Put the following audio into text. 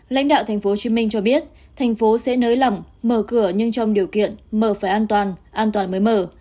lãnh đạo tp hcm cho biết thành phố sẽ nới lỏng mở cửa nhưng trong điều kiện mở phải an toàn an toàn mới mở